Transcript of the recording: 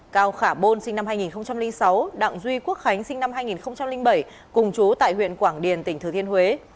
cao khả bôn sinh năm hai nghìn sáu đặng duy quốc khánh sinh năm hai nghìn bảy cùng chú tại huyện quảng điền tỉnh thừa thiên huế